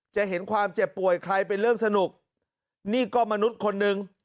จะเห็นความเจ็บป่วยใครเป็นเรื่องสนุกนี่ก็มนุษย์คนหนึ่ง